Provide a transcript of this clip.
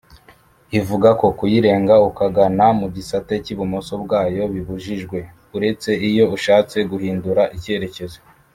ivugako kuyirenga ukagana mugisate cy’ibumoso bwayo bibujijwe uretse iyo ushatse guhindura icyerekezo